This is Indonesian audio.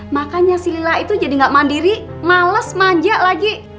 makanya si lila itu jadi gak mandiri males manja lagi